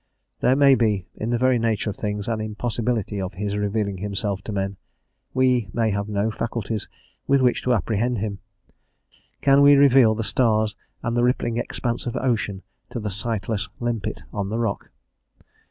There may be, in the very nature of things, an impossibility of his revealing himself to men; we may have no faculties with which to apprehend him; can we reveal the stars and the rippling expanse of ocean to the sightless limpet on the rock?